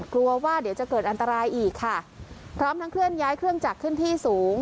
กลัวว่าเดี๋ยวจะเกิดอันตรายอีกค่ะพร้อมทั้งเคลื่อนย้ายเครื่องจักรขึ้นที่สูง